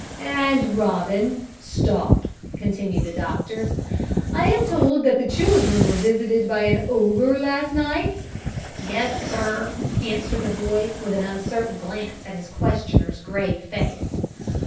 "And Robin stop," continued the doctor. "I am told that the children were visited by an ogre last night." "Yes, sir," answered the boy, with an uncertain glance at his questioner's grave face.